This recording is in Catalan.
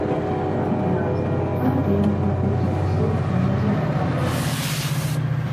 Al final de la guerra era el quart exèrcit més important d'Europa.